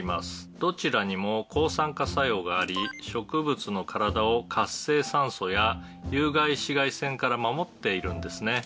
「どちらにも抗酸化作用があり植物の体を活性酸素や有害紫外線から守っているんですね」